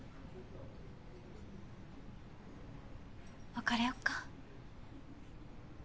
別れよっか。